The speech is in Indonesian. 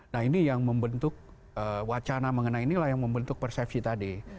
nah ini yang membentuk wacana mengenai inilah yang membentuk persepsi tadi